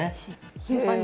頻繁に。